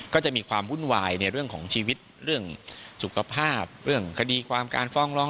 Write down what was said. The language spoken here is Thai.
ก็จะมีความวุ่นวายในเรื่องของชีวิตเรื่องสุขภาพเรื่องคดีความการฟ้องร้อง